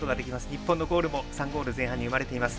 日本のゴールも３ゴール前半に生まれています。